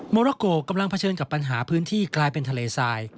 โมราโกกำลังเผชิญกับปัญหาพื้นที่กลายเป็นทะเลทราย